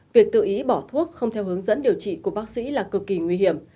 việc tự ý bỏ thuốc không theo hướng dẫn điều trị của bác sĩ là cực kỳ nguy hiểm